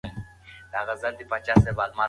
سپما به ستا په راتلونکي کې مرسته وکړي.